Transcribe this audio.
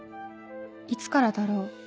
いつからだろう